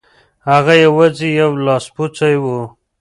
هغه یوازې یو لاسپوڅی و.